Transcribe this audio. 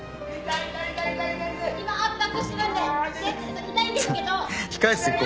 痛いんですけど。